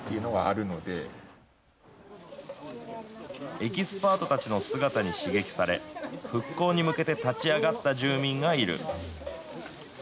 エキスパートたちの姿に刺激され、復興に向けて立ち上がった住民がいる。